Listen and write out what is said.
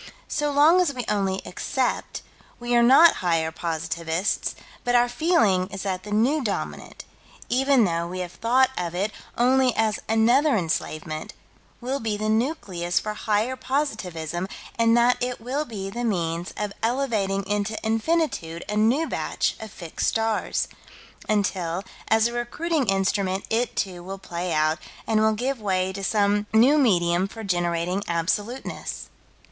So long as we only accept, we are not higher positivists, but our feeling is that the New Dominant, even though we have thought of it only as another enslavement, will be the nucleus for higher positivism and that it will be the means of elevating into infinitude a new batch of fixed stars until, as a recruiting instrument, it, too, will play out, and will give way to some new medium for generating absoluteness.